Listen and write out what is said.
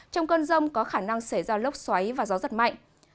trong cơn rông có khả năng xảy ra lốc xoáy và gió giật mạnh